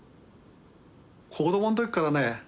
子供の時からね